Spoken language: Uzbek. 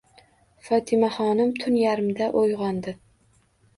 Fotimaxonim tun yarmida uyg'ondi.